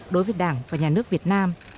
đối với đảng và nhà nước việt nam